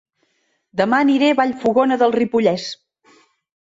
Dema aniré a Vallfogona de Ripollès